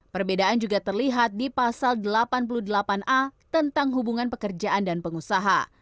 perbedaan juga terlihat di pasal delapan puluh delapan a tentang hubungan pekerjaan dan pengusaha